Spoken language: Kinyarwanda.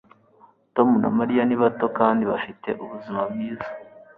Tom na Mariya ni bato kandi bafite ubuzima bwiza